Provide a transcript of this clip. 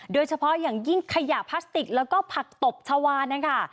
โดยเฉพาะอย่างยิ่งขยะพลาสติกแล้วก็ผักตบชาวานนะคะ